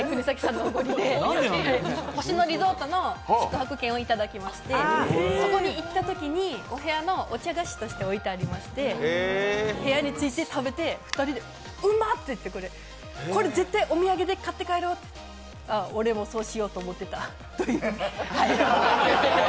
星野リゾートの宿泊券をいただきまして、そこに行ったときにお部屋のお茶菓子として置いてありまして、部屋に着いて食べて、２人でうまって言って、これ絶対お土産で買って帰ろうって、あっ、俺もそうしようと思ってたって。